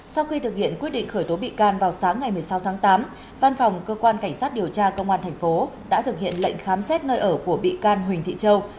sau khi thực hiện quyết định khởi tố bị can vào sáng ngày một mươi sáu tháng tám văn phòng cơ quan cảnh sát điều tra công an thành phố đã thực hiện lệnh khám xét nơi ở của bị can huỳnh thị châu